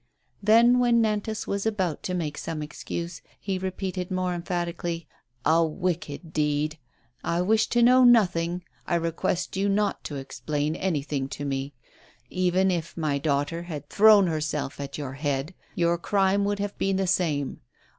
Then when Nantas was about to make some excuse, he repeated more emphatically : "A wicked deed. I wish to know nothing, I request you not to explain anything to me. Even if my daugh ter had thrown herself at your head, your crime would have been the same.